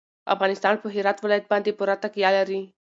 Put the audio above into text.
افغانستان په هرات ولایت باندې پوره تکیه لري.